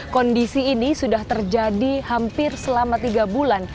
kondisi ini sudah terjadi hampir selama tiga bulan